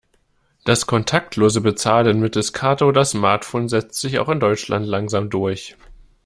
Das kontaktlose Bezahlen mittels Karte oder Smartphone setzt sich auch in Deutschland langsam durch.